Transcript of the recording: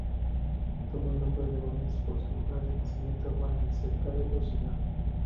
Tomó el nombre de Valence por su lugar de nacimiento, Valence, cerca de Lusignan.